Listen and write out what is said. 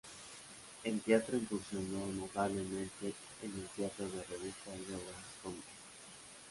En teatro incursionó notablemente en el teatro de revista y obras cómicas.